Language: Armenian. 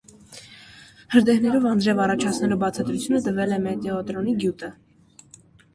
Հրդեհներով անձրև առաջացնելու բացատրությունը տվել է մետեոտրոնի գյուտը։